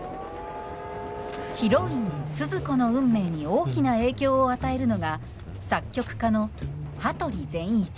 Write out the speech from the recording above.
ヒロインスズ子の運命に大きな影響を与えるのが作曲家の羽鳥善一。